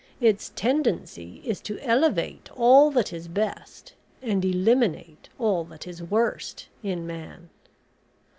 Its tendency is to elevate all that is best, and eliminate all that is worst, in man."